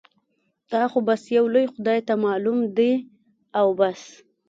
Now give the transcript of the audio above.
دا خو بس يو لوی خدای ته معلوم دي او بس.